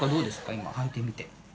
今はいてみて。